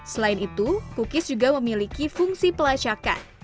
selain itu cookies juga memiliki fungsi pelacakan